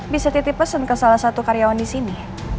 bisa titip pesan ke salah satu karyawan di sini